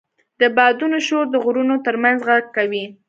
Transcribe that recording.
د بادونو شور د غرونو تر منځ غږ کوي.